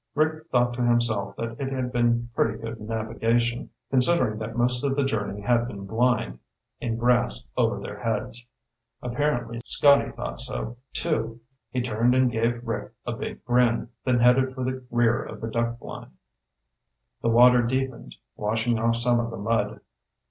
Rick thought to himself that it had been pretty good navigation, considering that most of the journey had been blind, in grass over their heads. Apparently Scotty thought so, too. He turned and gave Rick a big grin, then headed for the rear of the duck blind. The water deepened, washing off some of the mud.